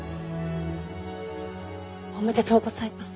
おめでとうございます。